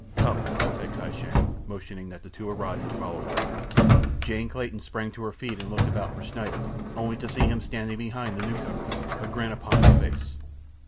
"Come!" said Kai Shang, motioning that the two arise and follow him. Jane Clayton sprang to her feet and looked about for Schneider, only to see him standing behind the newcomers, a grin upon his face.